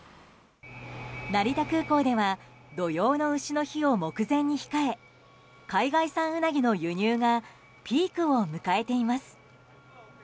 成田空港では土用の丑の日を目前に控え海外産ウナギの輸入がピークを迎えています。